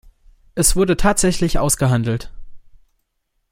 Es wurde tatsächlich ausgehandelt.